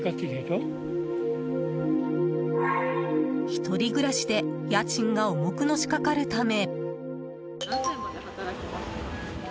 １人暮らしで家賃が重くのしかかるため。